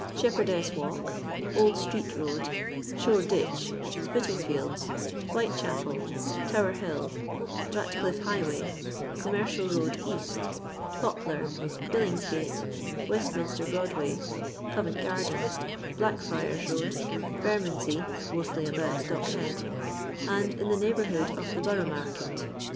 Shepherdess walk, Old Street road, Shoreditch, Spitalfields, Whiteehapel, Tower hUl, Batelifle highway, Gommereial read Sast, Poplar, Billings gate, Westminster Broadway, Covent garden, iBlackfriars road, Bermondsey (mostly about Dock head), and in the neighbourhood of the Borough Market.